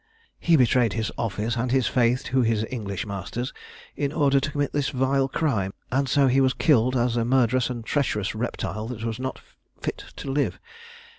"He betrayed his office and his faith to his English masters in order to commit this vile crime, and so he was killed as a murderous and treacherous reptile that was not fit to live.